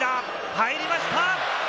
入りました！